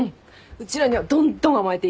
うちらにはどんどん甘えていいから。